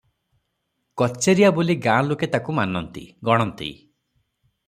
କଚେରିଆ ବୋଲି ଗାଁ ଲୋକେ ତାକୁ ମାନନ୍ତି, ଗଣନ୍ତି ।